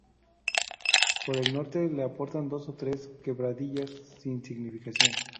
Por el norte le aportan dos o tres quebradillas sin significación.